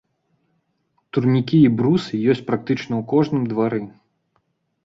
Турнікі і брусы ёсць практычна ў кожным двары.